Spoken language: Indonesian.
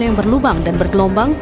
yang berlubang dan bergelombang